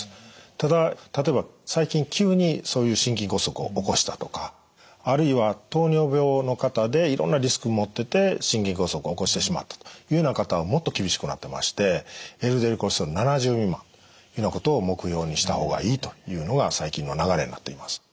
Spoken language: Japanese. ただ例えば最近急にそういう心筋梗塞を起こしたとかあるいは糖尿病の方でいろんなリスク持ってて心筋梗塞を起こしてしまったというような方はもっと厳しくなってましてＬＤＬコレステロール７０未満というようなことを目標にした方がいいというのが最近の流れになっています。